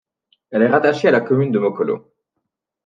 Elle est rattachée à la commune de Mokolo.